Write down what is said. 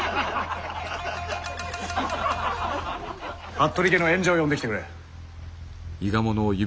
服部家の縁者を呼んできてくれ。